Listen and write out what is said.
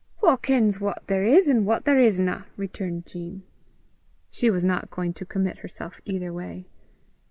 "Wha kens what there is an' what there isna?" returned Jean: she was not going to commit herself either way.